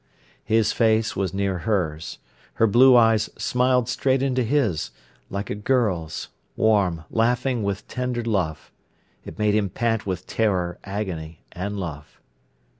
His face was near hers. Her blue eyes smiled straight into his, like a girl's—warm, laughing with tender love. It made him pant with terror, agony, and love.